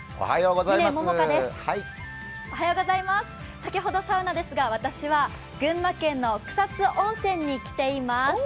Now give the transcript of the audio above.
先ほどサウナですが、私は群馬県の草津温泉に来ています。